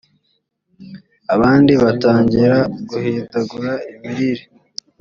abandi batangira guhindagura imirire